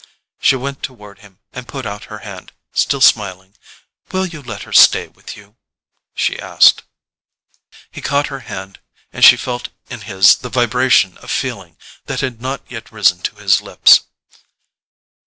She went toward him, and put out her hand, still smiling. "Will you let her stay with you?" she asked. He caught her hand, and she felt in his the vibration of feeling that had not yet risen to his lips.